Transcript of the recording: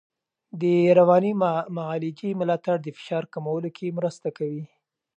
د رواني معالجې ملاتړ د فشار کمولو کې مرسته کوي.